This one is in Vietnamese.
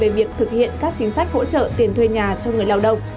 về việc thực hiện các chính sách hỗ trợ tiền thuê nhà cho người lao động